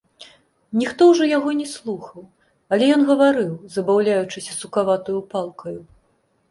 Ніхто ўжо яго не слухаў, але ён гаварыў, забаўляючыся сукаватаю палкаю.